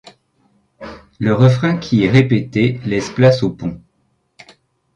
Le refrain qui est répété laisse place au pont.